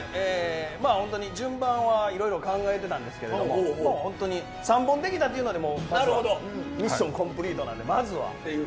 本当に順番はいろいろ考えてたんですけど３本できたというのでミッションコンプリートなのでまずは。